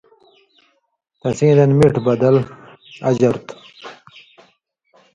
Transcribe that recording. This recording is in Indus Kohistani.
تسیں دن مِٹھوۡ بدل (اجر) تُھو،